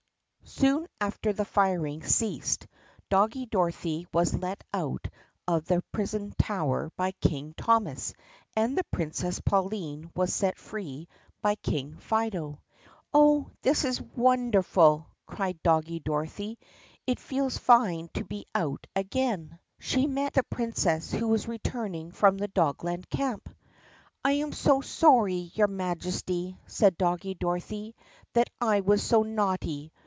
S OON after the firing ceased Doggie Dorothy was let out of the prison tower by King Thomas and the Princess Pauline was set free by King Fido. "Oh, this is wonderful!" cried Doggie Dorothy. "It feels fine to be out again." THE PUSSYCAT PRINCESS 151 She met the Princess who was returning from the Dogland camp. "I am so sorry, your Majesty," said Doggie Dorothy, "that I was so naughty.